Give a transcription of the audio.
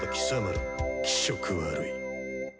ら気色悪い。